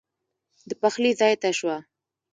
د پخلي ځای ته شوه.